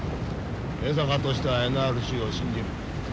江坂としてはＮＲＣを信じる。